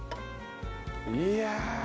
いや。